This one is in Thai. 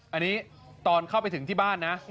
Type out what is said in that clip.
อันนี้ตอนเข้าไปถึงที่บ้านนะ